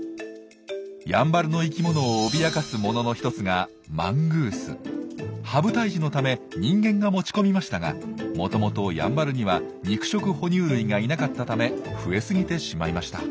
やんばるの生きものを脅かすものの一つがハブ退治のため人間が持ち込みましたがもともとやんばるには肉食哺乳類がいなかったため増えすぎてしまいました。